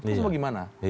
terus mau gimana